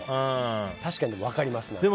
確かに、分かりますよ。